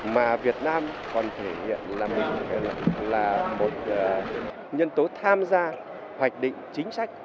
mà việt nam còn thể hiện là một nhân tố tham gia hoạch định chính sách